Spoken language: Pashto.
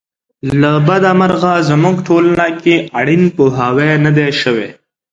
له بده مرغه زموږ ټولنه کې اړین پوهاوی نه دی شوی.